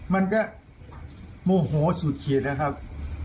มันก็โมโหสุดขีดนะครับ